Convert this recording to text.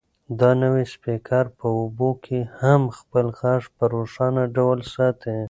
دا نوی سپیکر په اوبو کې هم خپل غږ په روښانه ډول ساتي.